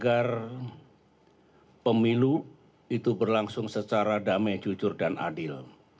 agar pemilu itu berlangsung secara damai jujur dan adil